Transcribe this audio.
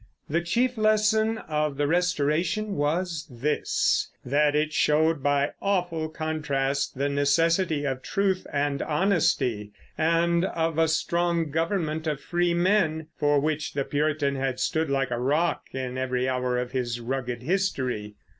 The chief lesson of the Restoration was this, that it showed by awful contrast the necessity of truth and honesty, and of a strong government of free men, for which the Puritan had stood like a rock in every hour of his rugged history.